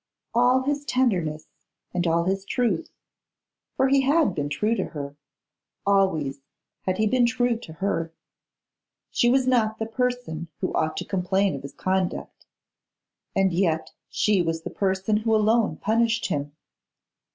All his tenderness and all his truth; for he had been true to her, always had he been true to her. She was not the person who ought to complain of his conduct. And yet she was the person who alone punished him.